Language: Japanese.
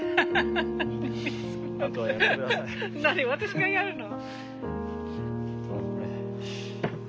私がやるの？